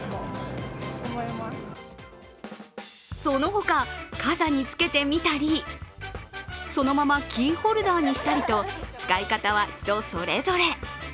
街の人に聞いてみるとそのままキーホルダーにしたりと使い方は人それぞれ。